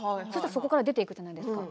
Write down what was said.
そこから出ていくじゃないですか。